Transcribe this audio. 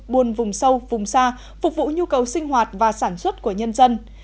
buôn vùng sâu vùng xa phục vụ nhu cầu sinh hoạt và sản xuất của nhân dân